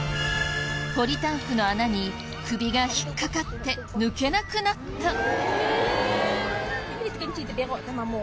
ポリタンクの穴に首が引っ掛かって抜けなくなった。